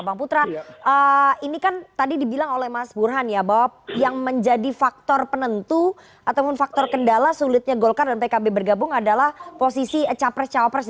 bang putra ini kan tadi dibilang oleh mas burhan ya bahwa yang menjadi faktor penentu ataupun faktor kendala sulitnya golkar dan pkb bergabung adalah posisi capres capres